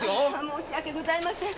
申し訳ございません。